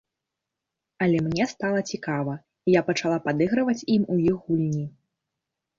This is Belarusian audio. Але мне стала цікава, і я пачала падыгрываць ім у іх гульні.